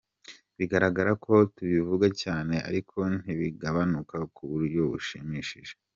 Biragaragara ko tubivuga cyane ariko ntibigabanuke ku buryo bushimishije.